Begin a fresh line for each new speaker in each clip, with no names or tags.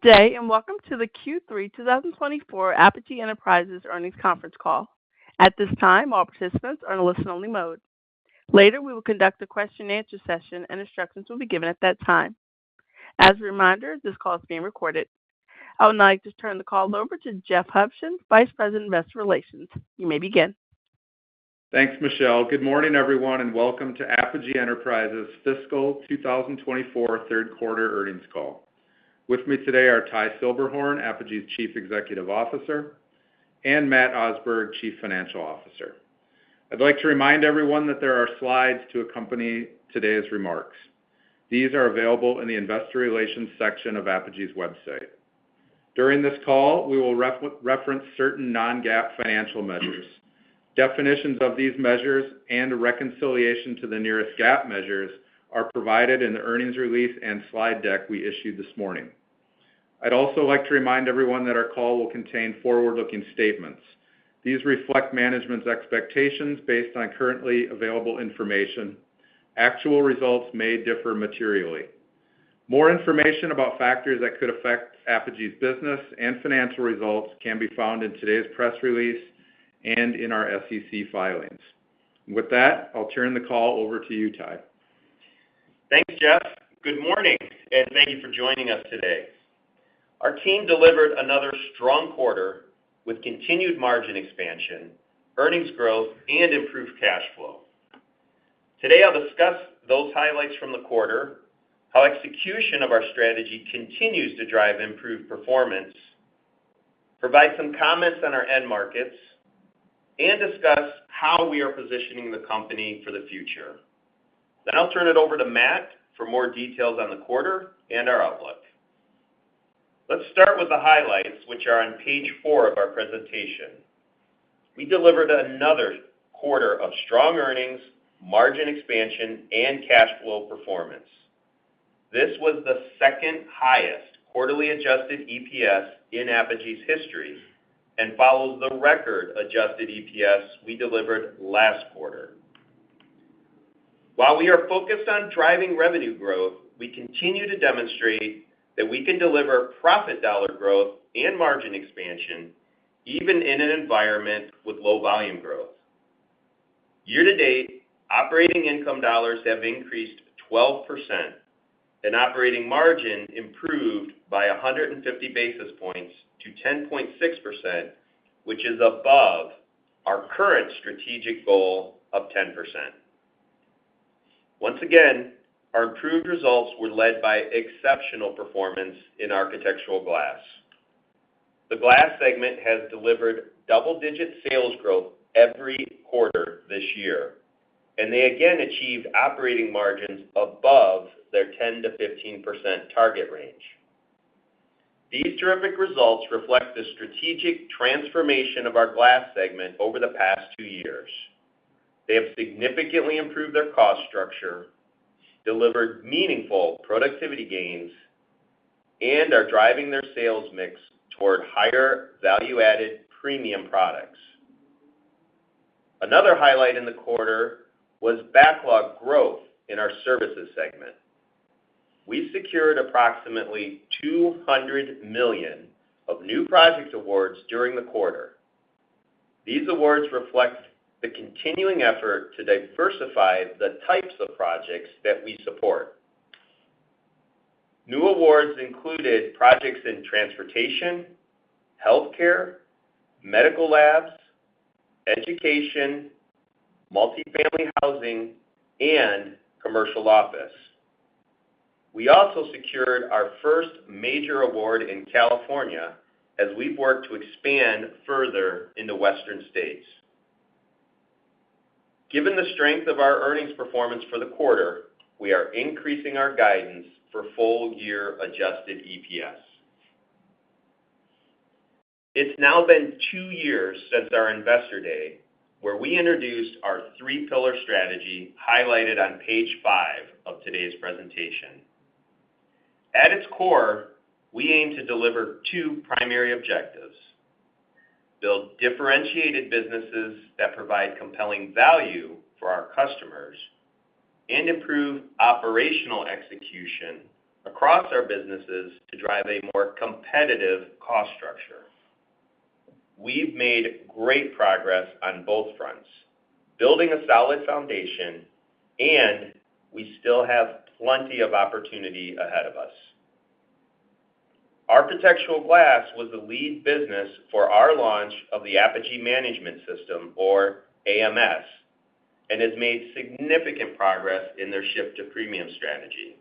Good day and welcome to the Q3 2024 Apogee Enterprises earnings conference call. At this time, all participants are in a listen-only mode. Later, we will conduct a question-and-answer session and instructions will be given at that time. As a reminder, this call is being recorded. I would like to turn the call over to Jeff Huebschen, Vice President Investor Relations. You may begin.
Thanks, Michelle. Good morning, everyone, and welcome to Apogee Enterprises' fiscal 2024 Q3 earnings call. With me today are Ty Silberhorn, Apogee's Chief Executive Officer, and Matt Osberg, Chief Financial Officer. I'd like to remind everyone that there are slides to accompany today's remarks. These are available in the Investor Relations section of Apogee's website. During this call, we will reference certain non-GAAP financial measures. Definitions of these measures and a reconciliation to the nearest GAAP measures are provided in the earnings release and slide deck we issued this morning. I'd also like to remind everyone that our call will contain forward-looking statements. These reflect management's expectations based on currently available information. Actual results may differ materially. More information about factors that could affect Apogee's business and financial results can be found in today's press release and in our SEC filings. With that, I'll turn the call over to you, Ty.
Thanks, Jeff. Good morning, and thank you for joining us today. Our team delivered another strong quarter with continued margin expansion, earnings growth, and improved cash flow. Today, I'll discuss those highlights from the quarter, how execution of our strategy continues to drive improved performance, provide some comments on our end markets, and discuss how we are positioning the company for the future. Then I'll turn it over to Matt for more details on the quarter and our outlook. Let's start with the highlights, which are on page four of our presentation. We delivered another quarter of strong earnings, margin expansion, and cash flow performance. This was the second-highest quarterly adjusted EPS in Apogee's history and follows the record adjusted EPS we delivered last quarter. While we are focused on driving revenue growth, we continue to demonstrate that we can deliver profit dollar growth and margin expansion even in an environment with low volume growth. Year to date, operating income dollars have increased 12%, and operating margin improved by 150 basis points to 10.6%, which is above our current strategic goal of 10%. Once again, our improved results were led by exceptional performance in Architectural Glass. The glass segment has delivered double-digit sales growth every quarter this year, and they again achieved operating margins above their 10%-15% target range. These terrific results reflect the strategic transformation of our glass segment over the past two years. They have significantly improved their cost structure, delivered meaningful productivity gains, and are driving their sales mix toward higher value-added premium products. Another highlight in the quarter was backlog growth in our services segment. We secured approximately $200 million of new project awards during the quarter. These awards reflect the continuing effort to diversify the types of projects that we support. New awards included projects in transportation, healthcare, medical labs, education, multifamily housing, and commercial office. We also secured our first major award in California as we've worked to expand further in the western states. Given the strength of our earnings performance for the quarter, we are increasing our guidance for full-year Adjusted EPS. It's now been two years since our Investor Day where we introduced our three-pillar strategy highlighted on page five of today's presentation. At its core, we aim to deliver two primary objectives: build differentiated businesses that provide compelling value for our customers and improve operational execution across our businesses to drive a more competitive cost structure. We've made great progress on both fronts, building a solid foundation, and we still have plenty of opportunity ahead of us. Architectural Glass was the lead business for our launch of the Apogee Management System, or AMS, and has made significant progress in their shift to premium strategy.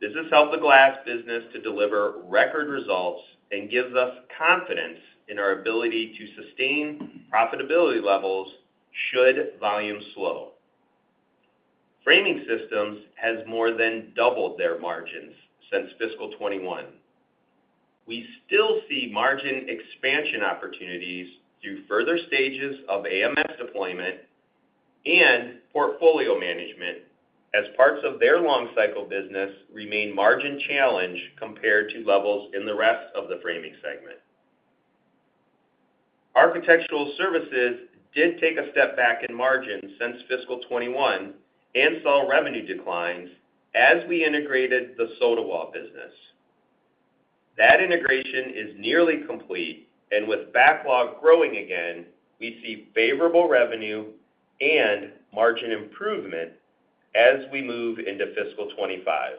This has helped the glass business to deliver record results and gives us confidence in our ability to sustain profitability levels should volume slow. Framing Systems has more than doubled their margins since fiscal 2021. We still see margin expansion opportunities through further stages of AMS deployment and portfolio management as parts of their long-cycle business remain margin challenge compared to levels in the rest of the framing segment. Architectural Services did take a step back in margins since fiscal 2021 and saw revenue declines as we integrated the Sotawall business. That integration is nearly complete, and with backlog growing again, we see favorable revenue and margin improvement as we move into fiscal 2025.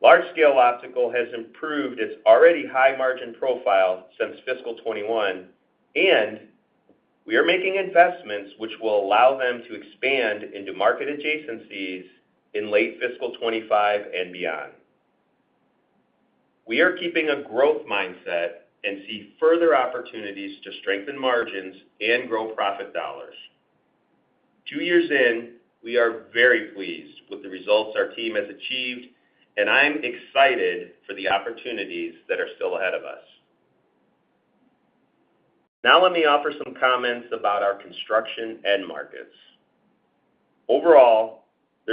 Large-Scale Optical has improved its already high margin profile since fiscal 2021, and we are making investments which will allow them to expand into market adjacencies in late fiscal 2025 and beyond. We are keeping a growth mindset and see further opportunities to strengthen margins and grow profit dollars. Two years in, we are very pleased with the results our team has achieved, and I'm excited for the opportunities that are still ahead of us. Now let me offer some comments about our construction end markets. Overall,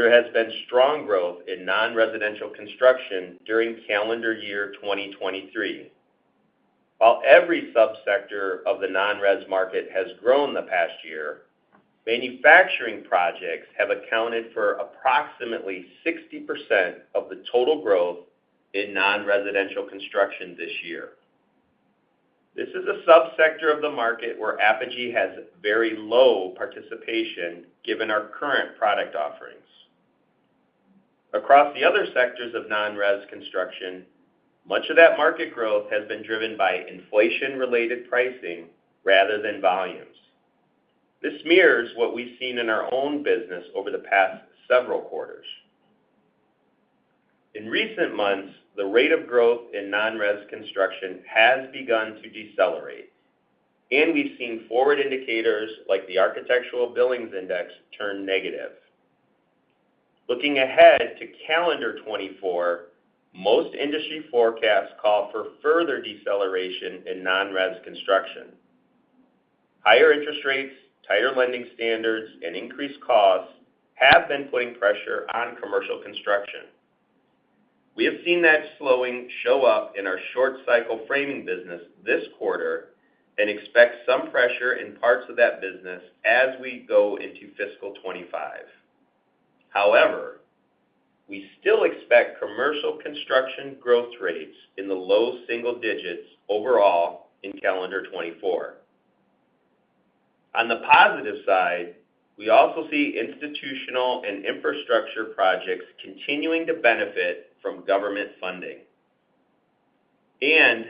there has been strong growth in non-residential construction during calendar year 2023. While every subsector of the non-res market has grown the past year, manufacturing projects have accounted for approximately 60% of the total growth in non-residential construction this year. This is a subsector of the market where Apogee has very low participation given our current product offerings. Across the other sectors of non-res construction, much of that market growth has been driven by inflation-related pricing rather than volumes. This mirrors what we've seen in our own business over the past several quarters. In recent months, the rate of growth in non-res construction has begun to decelerate, and we've seen forward indicators like the Architectural Billings Index turn negative. Looking ahead to calendar 2024, most industry forecasts call for further deceleration in non-res construction. Higher interest rates, tighter lending standards, and increased costs have been putting pressure on commercial construction. We have seen that slowing show up in our short-cycle framing business this quarter and expect some pressure in parts of that business as we go into fiscal 2025. However, we still expect commercial construction growth rates in the low single digits overall in calendar 2024. On the positive side, we also see institutional and infrastructure projects continuing to benefit from government funding. And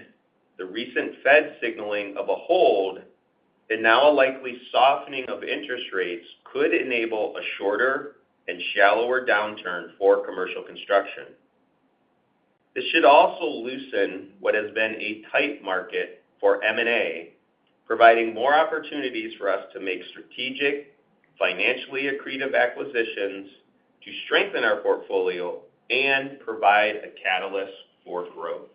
the recent Fed signaling of a hold and now a likely softening of interest rates could enable a shorter and shallower downturn for commercial construction. This should also loosen what has been a tight market for M&A, providing more opportunities for us to make strategic, financially accretive acquisitions to strengthen our portfolio and provide a catalyst for growth.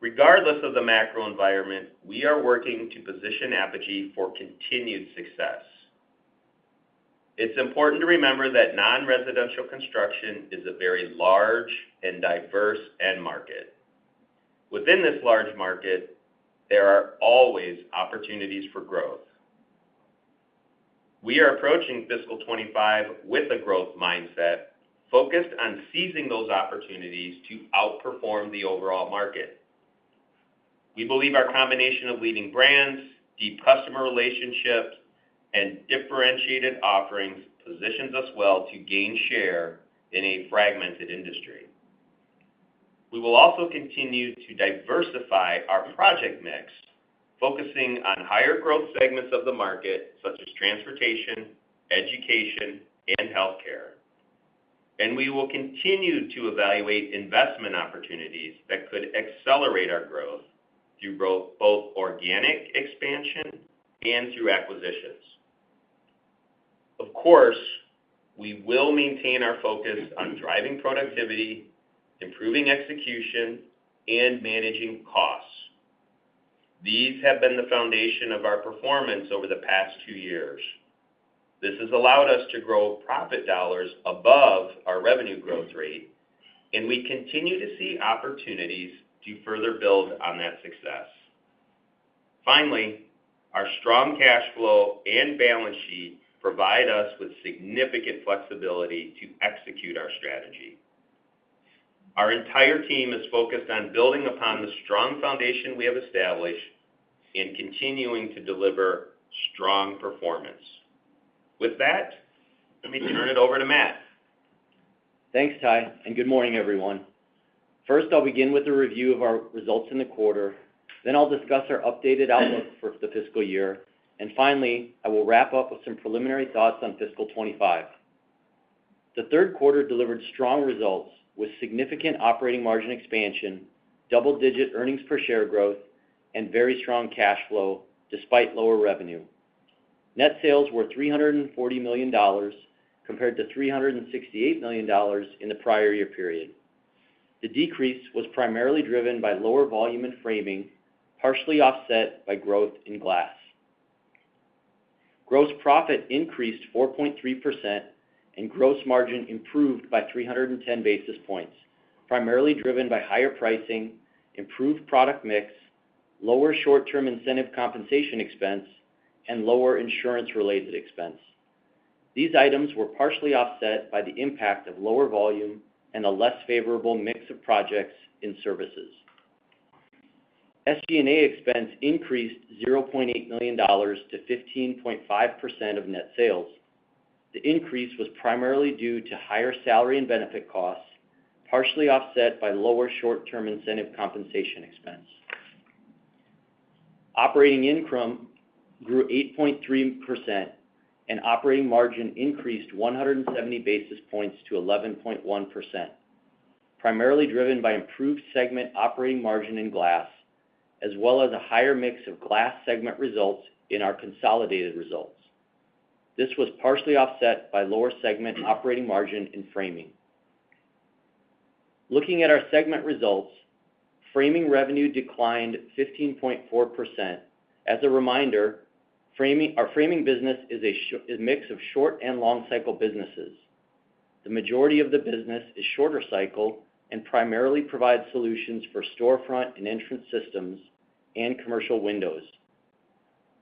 Regardless of the macro environment, we are working to position Apogee for continued success. It's important to remember that non-residential construction is a very large and diverse end market. Within this large market, there are always opportunities for growth. We are approaching fiscal 2025 with a growth mindset focused on seizing those opportunities to outperform the overall market. We believe our combination of leading brands, deep customer relationships, and differentiated offerings positions us well to gain share in a fragmented industry. We will also continue to diversify our project mix, focusing on higher growth segments of the market such as transportation, education, and healthcare. We will continue to evaluate investment opportunities that could accelerate our growth through both organic expansion and through acquisitions. Of course, we will maintain our focus on driving productivity, improving execution, and managing costs. These have been the foundation of our performance over the past two years. This has allowed us to grow profit dollars above our revenue growth rate, and we continue to see opportunities to further build on that success. Finally, our strong cash flow and balance sheet provide us with significant flexibility to execute our strategy. Our entire team is focused on building upon the strong foundation we have established and continuing to deliver strong performance. With that, let me turn it over to Matt.
Thanks, Ty, and good morning, everyone. First, I'll begin with a review of our results in the quarter. Then I'll discuss our updated outlook for the fiscal year. Finally, I will wrap up with some preliminary thoughts on fiscal 2025. The Q3 delivered strong results with significant operating margin expansion, double-digit earnings per share growth, and very strong cash flow despite lower revenue. Net sales were $340 million compared to $368 million in the prior year period. The decrease was primarily driven by lower volume in framing, partially offset by growth in glass. Gross profit increased 4.3%, and gross margin improved by 310 basis points, primarily driven by higher pricing, improved product mix, lower short-term incentive compensation expense, and lower insurance-related expense. These items were partially offset by the impact of lower volume and a less favorable mix of projects and services. SG&A expense increased $0.8 million to 15.5% of net sales. The increase was primarily due to higher salary and benefit costs, partially offset by lower short-term incentive compensation expense. Operating income grew 8.3%, and operating margin increased 170 basis points to 11.1%, primarily driven by improved segment operating margin in glass as well as a higher mix of glass segment results in our consolidated results. This was partially offset by lower segment operating margin in framing. Looking at our segment results, framing revenue declined 15.4%. As a reminder, our framing business is a mix of short and long-cycle businesses. The majority of the business is shorter-cycle and primarily provides solutions for storefront and entrance systems and commercial windows.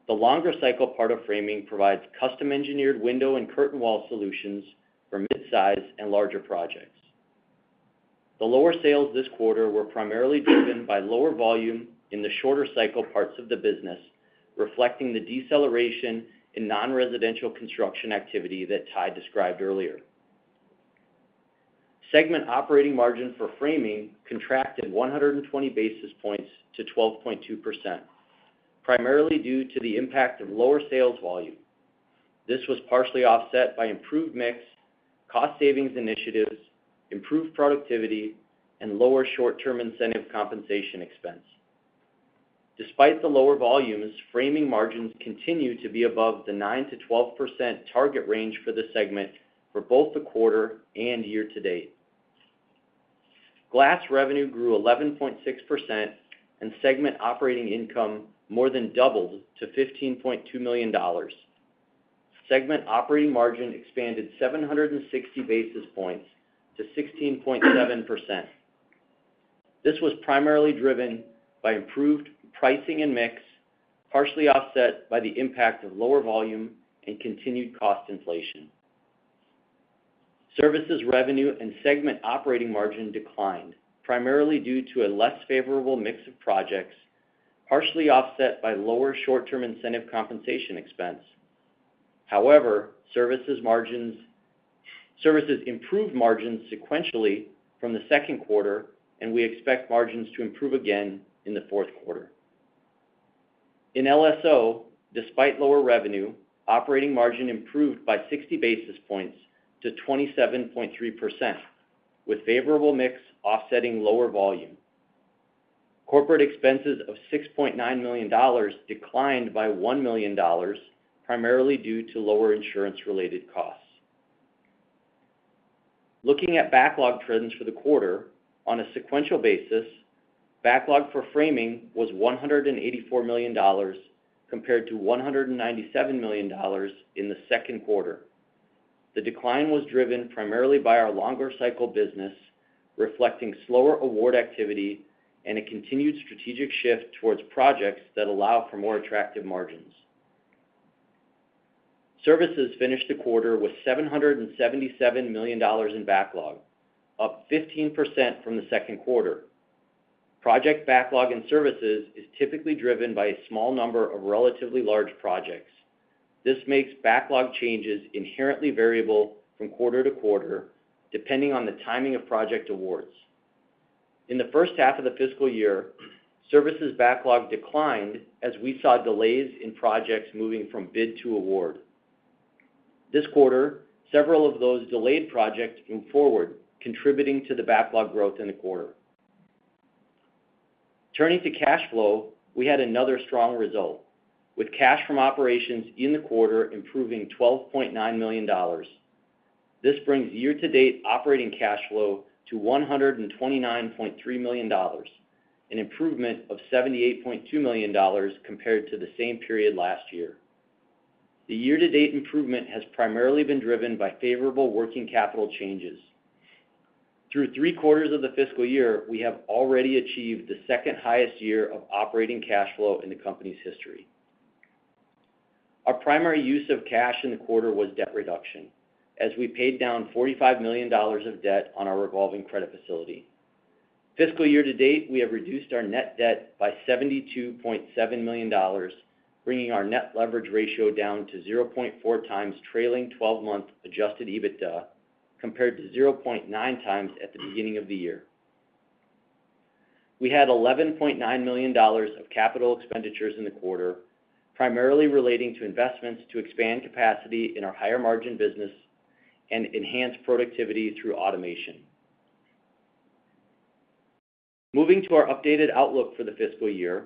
The longer-cycle part of framing provides custom-engineered window and curtainwall solutions for midsize and larger projects. The lower sales this quarter were primarily driven by lower volume in the shorter-cycle parts of the business, reflecting the deceleration in non-residential construction activity that Ty described earlier. Segment operating margin for framing contracted 120 basis points to 12.2%, primarily due to the impact of lower sales volume. This was partially offset by improved mix, cost-savings initiatives, improved productivity, and lower short-term incentive compensation expense. Despite the lower volumes, framing margins continue to be above the 9%-12% target range for the segment for both the quarter and year to date. Glass revenue grew 11.6%, and segment operating income more than doubled to $15.2 million. Segment operating margin expanded 760 basis points to 16.7%. This was primarily driven by improved pricing and mix, partially offset by the impact of lower volume and continued cost inflation. Services revenue and segment operating margin declined, primarily due to a less favorable mix of projects, partially offset by lower short-term incentive compensation expense. However, services improved margins sequentially from the Q2, and we expect margins to improve again in the Q4. In LSO, despite lower revenue, operating margin improved by 60 basis points to 27.3%, with favorable mix offsetting lower volume. Corporate expenses of $6.9 million declined by $1 million, primarily due to lower insurance-related costs. Looking at backlog trends for the quarter, on a sequential basis, backlog for framing was $184 million compared to $197 million in the Q4. The decline was driven primarily by our longer-cycle business, reflecting slower award activity and a continued strategic shift towards projects that allow for more attractive margins. Services finished the quarter with $777 million in backlog, up 15% from the Q2. Project backlog in services is typically driven by a small number of relatively large projects. This makes backlog changes inherently variable from quarter to quarter, depending on the timing of project awards. In the first half of the fiscal year, services backlog declined as we saw delays in projects moving from bid to award. This quarter, several of those delayed projects moved forward, contributing to the backlog growth in the quarter. Turning to cash flow, we had another strong result, with cash from operations in the quarter improving $12.9 million. This brings year-to-date operating cash flow to $129.3 million, an improvement of $78.2 million compared to the same period last year. The year-to-date improvement has primarily been driven by favorable working capital changes. Through three quarters of the fiscal year, we have already achieved the second-highest year of operating cash flow in the company's history. Our primary use of cash in the quarter was debt reduction, as we paid down $45 million of debt on our revolving credit facility. Fiscal year to date, we have reduced our net debt by $72.7 million, bringing our net leverage ratio down to 0.4 times trailing 12-month adjusted EBITDA compared to 0.9 times at the beginning of the year. We had $11.9 million of capital expenditures in the quarter, primarily relating to investments to expand capacity in our higher-margin business and enhance productivity through automation. Moving to our updated outlook for the fiscal year,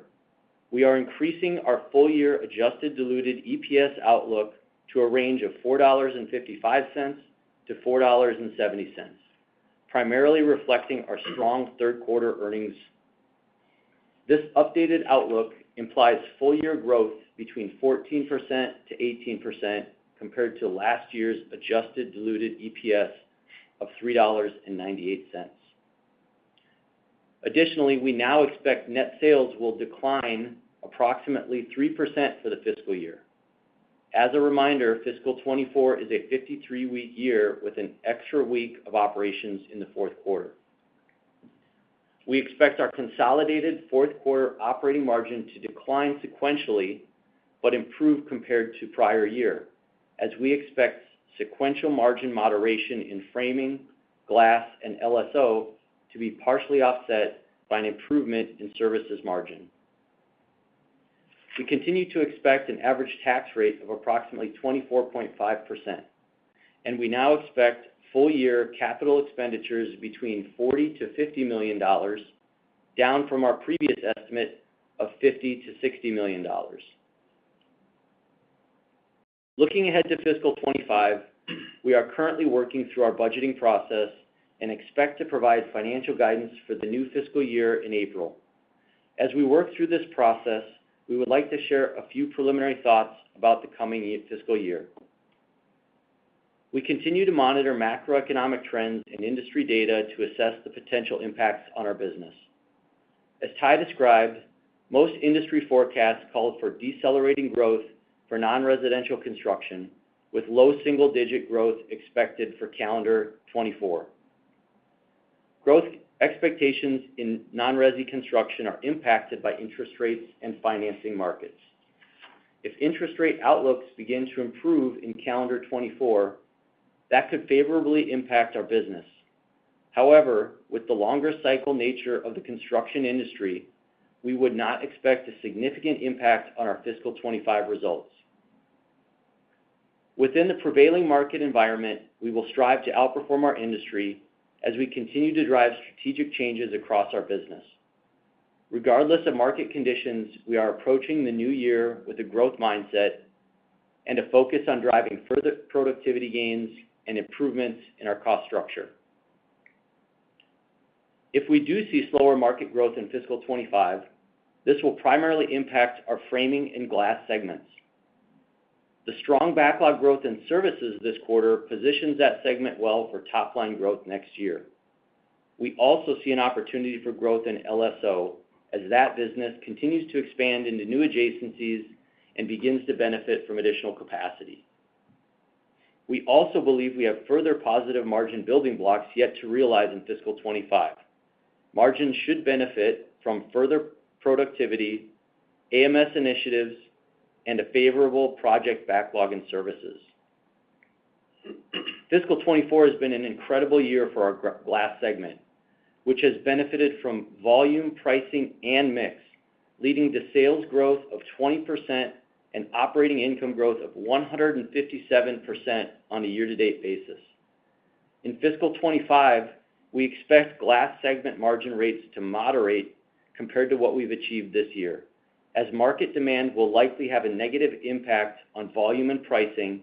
we are increasing our full-year adjusted diluted EPS outlook to a range of $4.55-$4.70, primarily reflecting our strong Q3 earnings. This updated outlook implies full-year growth between 14%-18% compared to last year's adjusted diluted EPS of $3.98. Additionally, we now expect net sales will decline approximately 3% for the fiscal year. As a reminder, fiscal 2024 is a 53-week year with an extra week of operations in the Q4. We expect our consolidated Q4 operating margin to decline sequentially but improve compared to prior year, as we expect sequential margin moderation in framing, glass, and LSO to be partially offset by an improvement in services margin. We continue to expect an average tax rate of approximately 24.5%, and we now expect full-year capital expenditures between $40-$50 million, down from our previous estimate of $50-$60 million. Looking ahead to fiscal 2025, we are currently working through our budgeting process and expect to provide financial guidance for the new fiscal year in April. As we work through this process, we would like to share a few preliminary thoughts about the coming fiscal year. We continue to monitor macroeconomic trends and industry data to assess the potential impacts on our business. As Ty described, most industry forecasts called for decelerating growth for non-residential construction, with low single-digit growth expected for calendar 2024. Growth expectations in non-resi construction are impacted by interest rates and financing markets. If interest rate outlooks begin to improve in calendar 2024, that could favorably impact our business. However, with the longer-cycle nature of the construction industry, we would not expect a significant impact on our fiscal 2025 results. Within the prevailing market environment, we will strive to outperform our industry as we continue to drive strategic changes across our business. Regardless of market conditions, we are approaching the new year with a growth mindset and a focus on driving further productivity gains and improvements in our cost structure. If we do see slower market growth in fiscal 2025, this will primarily impact our framing and glass segments. The strong backlog growth in services this quarter positions that segment well for top-line growth next year. We also see an opportunity for growth in LSO as that business continues to expand into new adjacencies and begins to benefit from additional capacity. We also believe we have further positive margin building blocks yet to realize in fiscal 2025. Margins should benefit from further productivity, AMS initiatives, and a favorable project backlog in services. Fiscal 2024 has been an incredible year for our glass segment, which has benefited from volume, pricing, and mix, leading to sales growth of 20% and operating income growth of 157% on a year-to-date basis. In fiscal 2025, we expect glass segment margin rates to moderate compared to what we've achieved this year, as market demand will likely have a negative impact on volume and pricing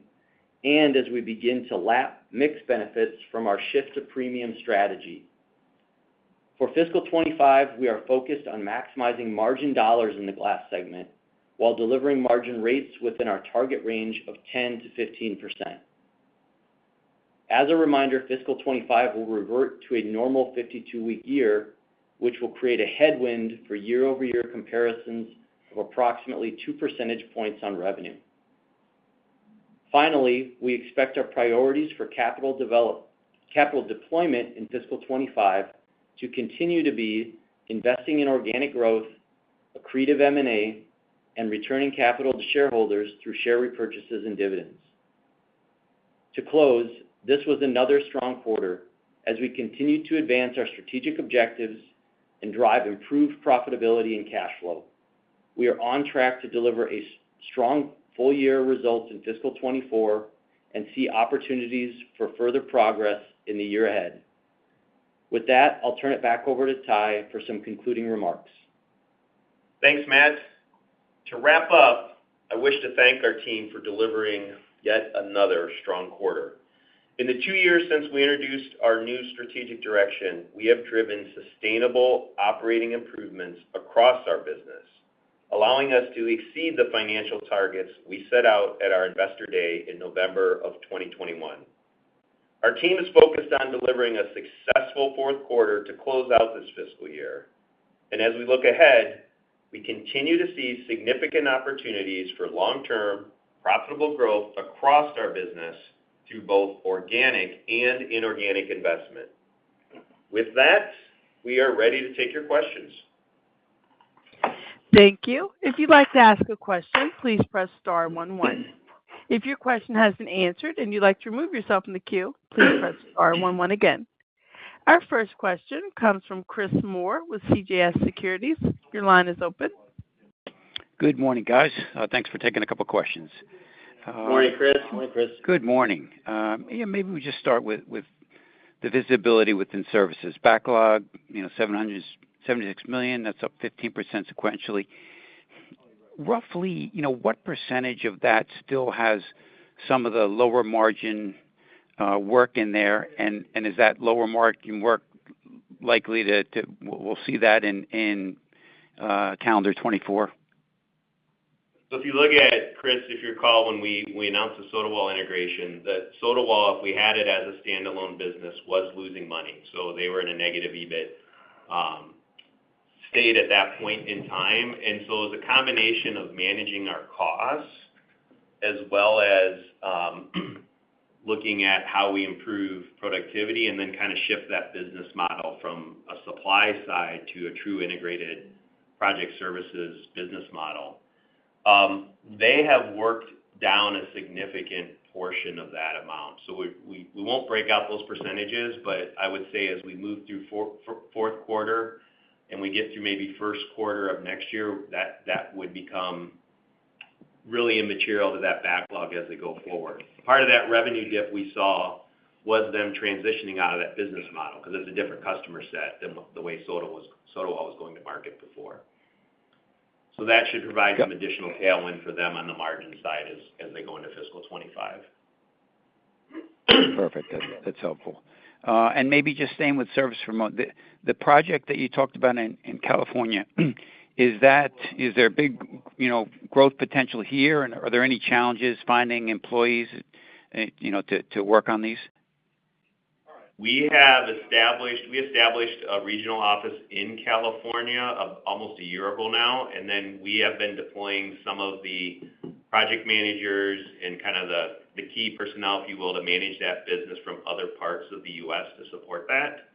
and as we begin to lap mix benefits from our shift to premium strategy. For fiscal 2025, we are focused on maximizing margin dollars in the glass segment while delivering margin rates within our target range of 10%-15%. As a reminder, fiscal 2025 will revert to a normal 52-week year, which will create a headwind for year-over-year comparisons of approximately 2 percentage points on revenue. Finally, we expect our priorities for capital deployment in fiscal 2025 to continue to be investing in organic growth, accretive M&A, and returning capital to shareholders through share repurchases and dividends. To close, this was another strong quarter as we continue to advance our strategic objectives and drive improved profitability and cash flow. We are on track to deliver a strong full-year result in fiscal 2024 and see opportunities for further progress in the year ahead. With that, I'll turn it back over to Ty for some concluding remarks.
Thanks, Matt. To wrap up, I wish to thank our team for delivering yet another strong quarter. In the two years since we introduced our new strategic direction, we have driven sustainable operating improvements across our business, allowing us to exceed the financial targets we set out at our investor day in November of 2021. Our team is focused on delivering a successful Q4 to close out this fiscal year. And as we look ahead, we continue to see significant opportunities for long-term, profitable growth across our business through both organic and inorganic investment. With that, we are ready to take your questions.
Thank you. If you'd like to ask a question, please press star 11. If your question has been answered and you'd like to remove yourself from the queue, please press star 11 again. Our first question comes from Chris Moore with CJS Securities. Your line is open.
Good morning, guys. Thanks for taking a couple of questions.
Morning, Chris. Morning, Chris.
Good morning. Yeah, maybe we just start with the visibility within services? Backlog, $76 million, that's up 15% sequentially. Roughly, what percentage of that still has some of the lower-margin work in there, and is that lower-margin work likely to we'll see that in calendar 2024?
So if you look at, Chris, if you recall when we announced the Sotawall integration, that Sotawall, if we had it as a standalone business, was losing money. So they were in a negative EBIT state at that point in time. And so it was a combination of managing our costs as well as looking at how we improve productivity and then kind of shift that business model from a supply side to a true integrated project services business model. They have worked down a significant portion of that amount. So we won't break out those percentages, but I would say as we move through Q4 and we get through maybe Q1 of next year, that would become really immaterial to that backlog as they go forward. Part of that revenue dip we saw was them transitioning out of that business model because it's a different customer set than the way Sotawall was going to market before. So that should provide some additional tailwind for them on the margin side as they go into fiscal 2025.
Perfect. That's helpful. And maybe just staying with Architectural Services, the project that you talked about in California, is there a big growth potential here, and are there any challenges finding employees to work on these?
We established a regional office in California almost a year ago now, and then we have been deploying some of the project managers and kind of the key personnel, if you will, to manage that business from other parts of the U.S. to support that.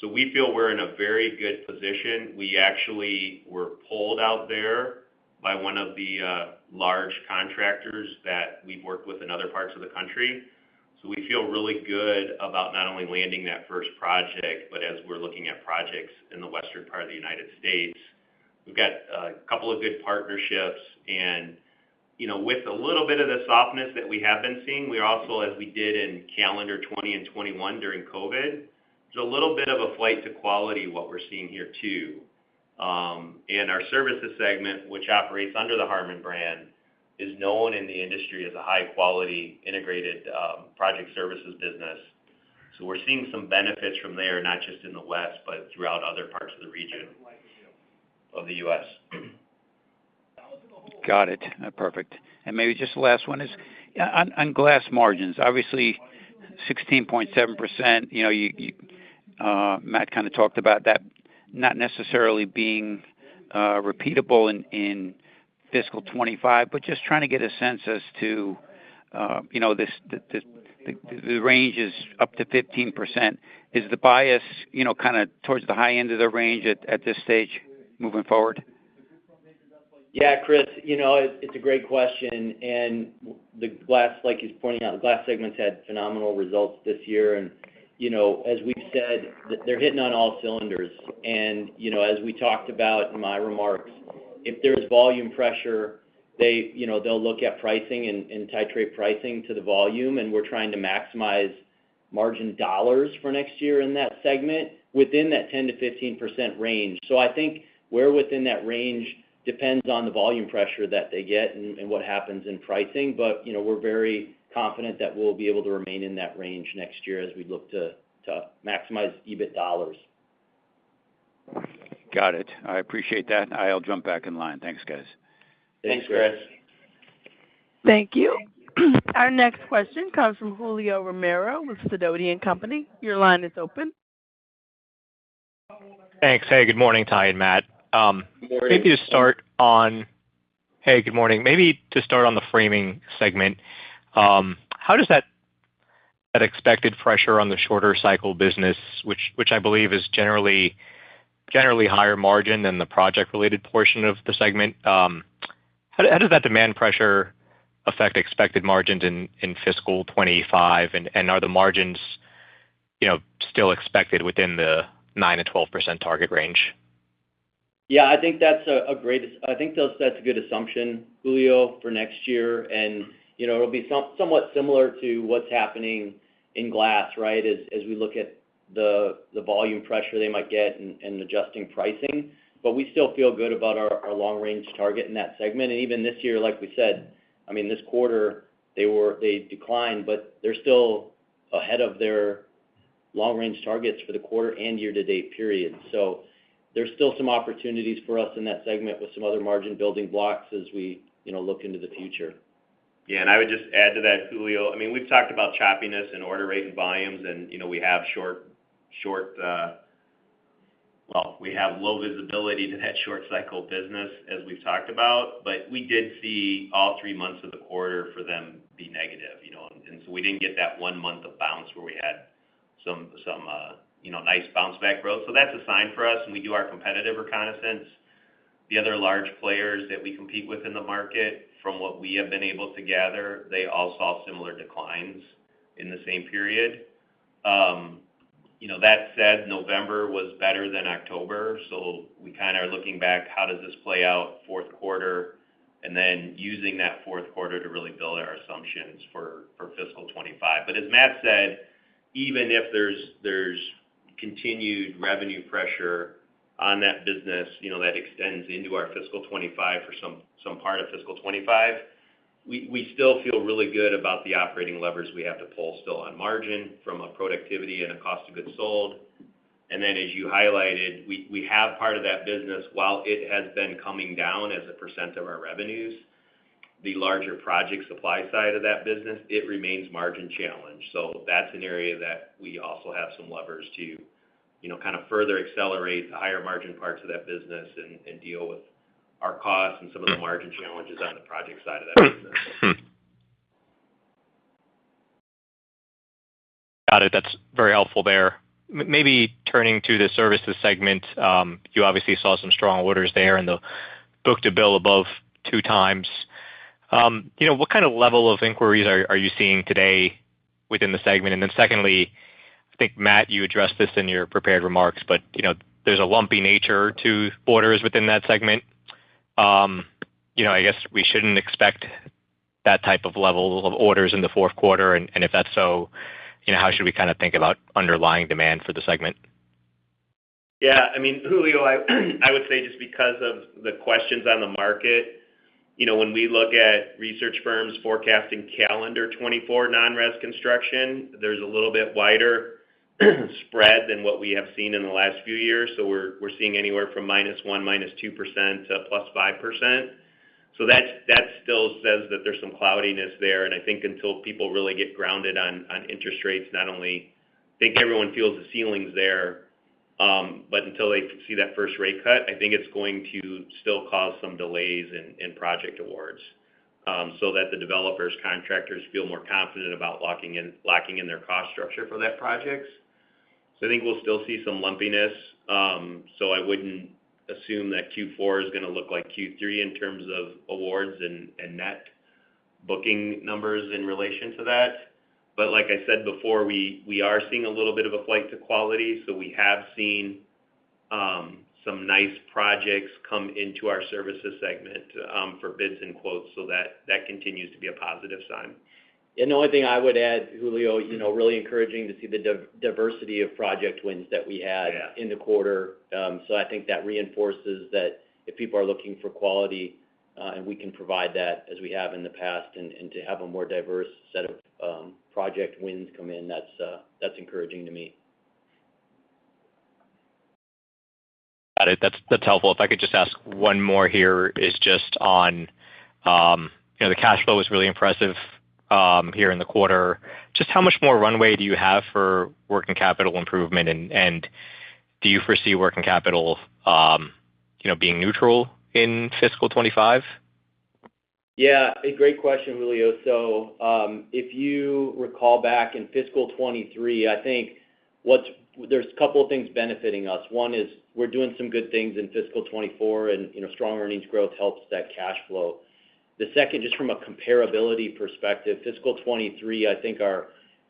So we feel we're in a very good position. We actually were pulled out there by one of the large contractors that we've worked with in other parts of the country. So we feel really good about not only landing that first project, but as we're looking at projects in the western part of the United States, we've got a couple of good partnerships. And with a little bit of the softness that we have been seeing, we also, as we did in calendar 2020 and 2021 during COVID, there's a little bit of a flight to quality what we're seeing here too. Our services segment, which operates under the Harmon brand, is known in the industry as a high-quality integrated project services business. We're seeing some benefits from there, not just in the West, but throughout other parts of the region of the U.S.
Got it. Perfect. And maybe just the last one is on glass margins. Obviously, 16.7%, Matt kind of talked about that not necessarily being repeatable in fiscal 2025, but just trying to get a sense as to the range is up to 15%. Is the bias kind of towards the high end of the range at this stage moving forward?
Yeah, Chris, it's a great question. Like he's pointing out, the glass segments had phenomenal results this year. As we've said, they're hitting on all cylinders. As we talked about in my remarks, if there's volume pressure, they'll look at pricing and titrate pricing to the volume. We're trying to maximize margin dollars for next year in that segment within that 10%-15% range. So I think where within that range depends on the volume pressure that they get and what happens in pricing. But we're very confident that we'll be able to remain in that range next year as we look to maximize EBIT dollars.
Got it. I appreciate that. I'll jump back in line. Thanks, guys.
Thanks, Chris.
Thank you. Our next question comes from Julio Romero with Sidoti & Company. Your line is open.
Thanks. Hey, good morning, Ty and Matt. Maybe to start on the framing segment, how does that expected pressure on the shorter-cycle business, which I believe is generally higher margin than the project-related portion of the segment, how does that demand pressure affect expected margins in fiscal 2025, and are the margins still expected within the 9%-12% target range?
Yeah, I think that's a good assumption, Julio, for next year. And it'll be somewhat similar to what's happening in glass, right, as we look at the volume pressure they might get and adjusting pricing. But we still feel good about our long-range target in that segment. And even this year, like we said, I mean, this quarter, they declined, but they're still ahead of their long-range targets for the quarter and year-to-date period. So there's still some opportunities for us in that segment with some other margin building blocks as we look into the future. Yeah. And I would just add to that, Julio, I mean, we've talked about choppiness in order rate and volumes, and we have low visibility to that short-cycle business as we've talked about. But we did see all three months of the quarter for them be negative. And so we didn't get that one month of bounce where we had some nice bounce-back growth. So that's a sign for us, and we do our competitive reconnaissance. The other large players that we compete with in the market, from what we have been able to gather, they all saw similar declines in the same period. That said, November was better than October. So we kind of are looking back, how does this play out Q4, and then using that Q4 to really build our assumptions for fiscal 2025. But as Matt said, even if there's continued revenue pressure on that business that extends into our fiscal 2025 for some part of fiscal 2025, we still feel really good about the operating levers we have to pull still on margin from a productivity and a cost of goods sold. And then, as you highlighted, we have part of that business, while it has been coming down as a percent of our revenues, the larger project supply side of that business, it remains margin challenged. So that's an area that we also have some levers to kind of further accelerate the higher-margin parts of that business and deal with our costs and some of the margin challenges on the project side of that business.
Got it. That's very helpful there. Maybe turning to the services segment, you obviously saw some strong orders there and the book-to-bill above 2x. What kind of level of inquiries are you seeing today within the segment? And then secondly, I think, Matt, you addressed this in your prepared remarks, but there's a lumpy nature to orders within that segment. I guess we shouldn't expect that type of level of orders in the Q4. And if that's so, how should we kind of think about underlying demand for the segment?
Yeah. I mean, Julio, I would say just because of the questions on the market, when we look at research firms forecasting calendar 2024 non-RES construction, there's a little bit wider spread than what we have seen in the last few years. So we're seeing anywhere from -1%, -2% to +5%. So that still says that there's some cloudiness there. And I think until people really get grounded on interest rates, not only I think everyone feels the ceilings there, but until they see that first rate cut, I think it's going to still cause some delays in project awards so that the developers, contractors feel more confident about locking in their cost structure for that project. So I think we'll still see some lumpiness. I wouldn't assume that Q4 is going to look like Q3 in terms of awards and net booking numbers in relation to that. But like I said before, we are seeing a little bit of a flight to quality. We have seen some nice projects come into our services segment for bids and quotes. That continues to be a positive sign. Yeah. The only thing I would add, Julio, really encouraging to see the diversity of project wins that we had in the quarter. I think that reinforces that if people are looking for quality and we can provide that as we have in the past and to have a more diverse set of project wins come in, that's encouraging to me.
Got it. That's helpful. If I could just ask one more. Here is just on the cash flow was really impressive here in the quarter. Just how much more runway do you have for working capital improvement, and do you foresee working capital being neutral in fiscal 2025?
Yeah. A great question, Julio. So if you recall back in fiscal 2023, I think there's a couple of things benefiting us. One is we're doing some good things in fiscal 2024, and strong earnings growth helps that cash flow. The second, just from a comparability perspective, fiscal 2023, I think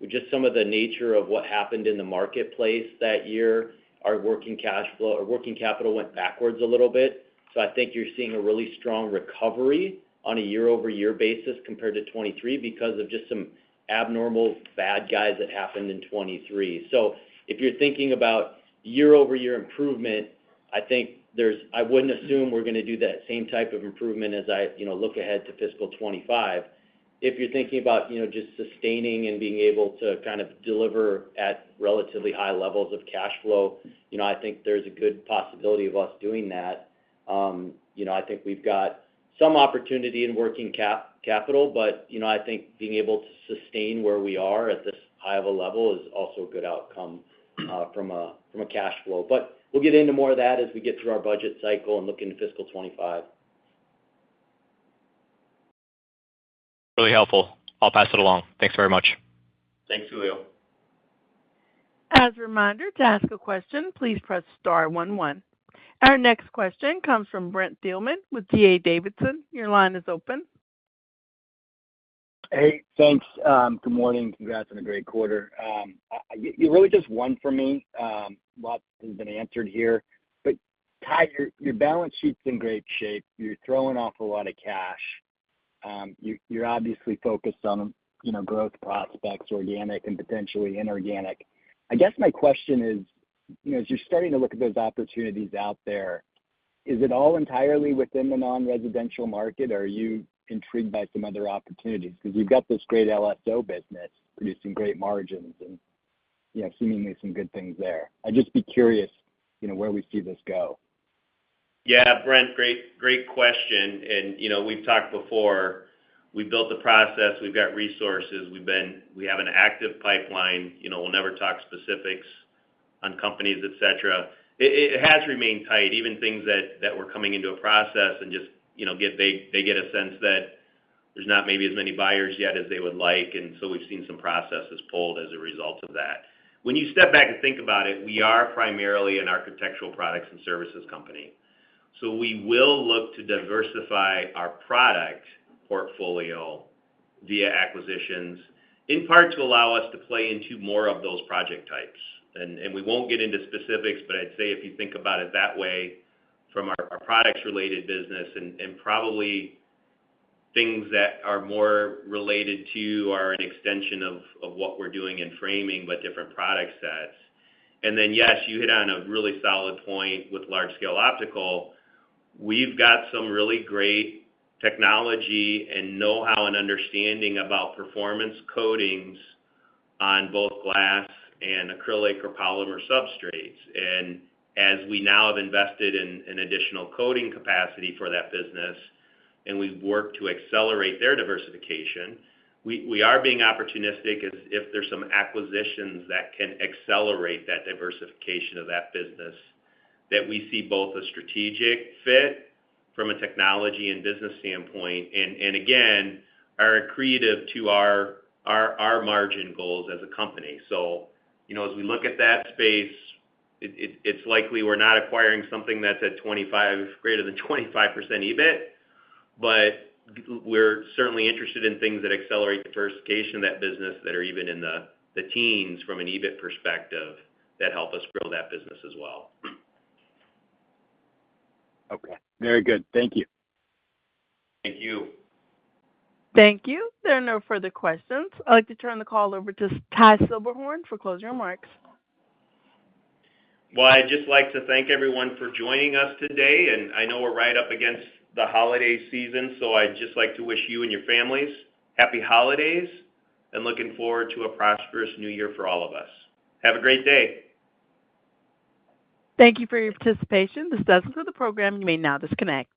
with just some of the nature of what happened in the marketplace that year, our working cash flow our working capital went backwards a little bit. So I think you're seeing a really strong recovery on a year-over-year basis compared to 2023 because of just some abnormal bad guys that happened in 2023. So if you're thinking about year-over-year improvement, I think there's I wouldn't assume we're going to do that same type of improvement as I look ahead to fiscal 2025. If you're thinking about just sustaining and being able to kind of deliver at relatively high levels of cash flow, I think there's a good possibility of us doing that. I think we've got some opportunity in working capital, but I think being able to sustain where we are at this high of a level is also a good outcome from a cash flow. But we'll get into more of that as we get through our budget cycle and look into fiscal 2025.
Really helpful. I'll pass it along. Thanks very much.
Thanks, Julio.
As a reminder, to ask a question, please press star 11. Our next question comes from Brent Thielman with D.A. Davidson. Your line is open.
Hey, thanks. Good morning. Congrats on a great quarter. You're really just one for me. A lot has been answered here. But Ty, your balance sheet's in great shape. You're throwing off a lot of cash. You're obviously focused on growth prospects, organic and potentially inorganic. I guess my question is, as you're starting to look at those opportunities out there, is it all entirely within the non-residential market, or are you intrigued by some other opportunities? Because you've got this great LSO business producing great margins and seemingly some good things there. I'd just be curious where we see this go.
Yeah, Brent, great question. And we've talked before. We've built the process. We've got resources. We have an active pipeline. We'll never talk specifics on companies, etc. It has remained tight, even things that were coming into a process and just get a sense that there's not maybe as many buyers yet as they would like. And so we've seen some processes pulled as a result of that. When you step back and think about it, we are primarily an architectural products and services company. So we will look to diversify our product portfolio via acquisitions, in part to allow us to play into more of those project types. And we won't get into specifics, but I'd say if you think about it that way from our products-related business and probably things that are more related to are an extension of what we're doing in framing but different product sets. And then, yes, you hit on a really solid point with Large-Scale Optical. We've got some really great technology and know-how and understanding about performance coatings on both glass and acrylic or polymer substrates. And as we now have invested in additional coating capacity for that business and we've worked to accelerate their diversification, we are being opportunistic as if there's some acquisitions that can accelerate that diversification of that business that we see both a strategic fit from a technology and business standpoint and, again, are creative to our margin goals as a company. So as we look at that space, it's likely we're not acquiring something that's at 25 greater than 25% EBIT. But we're certainly interested in things that accelerate diversification in that business that are even in the teens from an EBIT perspective that help us grow that business as well.
Okay. Very good. Thank you.
Thank you.
Thank you. There are no further questions. I'd like to turn the call over to Ty Silberhorn for closing remarks.
Well, I'd just like to thank everyone for joining us today. I know we're right up against the holiday season, so I'd just like to wish you and your families happy holidays and looking forward to a prosperous new year for all of us. Have a great day.
Thank you for your participation. This does conclude the program. You may now disconnect.